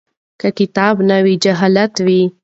که کتاب نه وي جهالت وي.